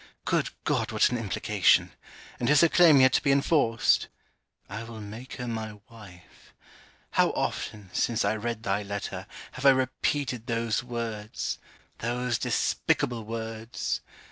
_' Good God what an implication! And is her claim yet to be enforced! 'I will make her my wife.' How often, since I read thy letter, have I repeated those words those despicable words!